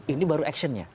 ini baru action nya